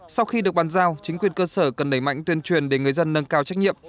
sau khi được bàn giao chính quyền cơ sở cần đẩy mạnh tuyên truyền để người dân nâng cao trách nhiệm